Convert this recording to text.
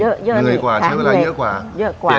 เหนื่อยกว่าใช้เวลาเยอะกว่า